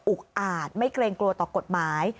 อาจไม่เกรงกลัวต่อกฎหมาย